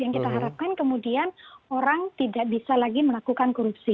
yang kita harapkan kemudian orang tidak bisa lagi melakukan korupsi